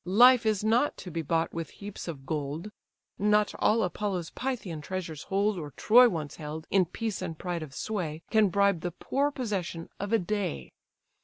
Life is not to be bought with heaps of gold. Not all Apollo's Pythian treasures hold, Or Troy once held, in peace and pride of sway, Can bribe the poor possession of a day!